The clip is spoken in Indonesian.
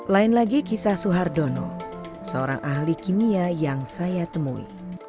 lain lagi kisah suhardono seorang ahli kimia yang saya temui